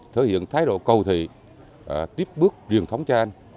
thể hiện thái độ cầu thị tiếp bước riêng thống trang